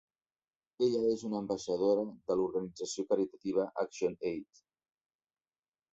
Ella és una ambaixadora de l'organització caritativa Action Aid.